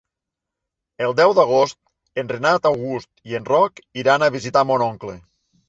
El deu d'agost en Renat August i en Roc iran a visitar mon oncle.